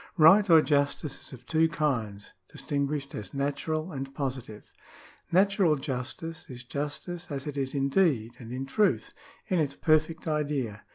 Right or justice is of two kinds, distinguished as natural and positive. Natural justice is justice as it is in deed and in truth — in its perfect idea.